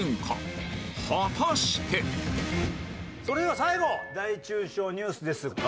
それでは最後大中小ニュースです。